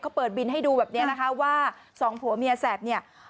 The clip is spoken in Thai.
เขาเปิดบินให้ดูแบบนี้นะคะว่าสองผัวเมียแสบเนี่ย